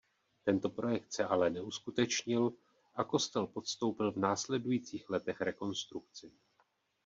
Tento projekt se ale neuskutečnil a kostel podstoupil v následujících letech rekonstrukci.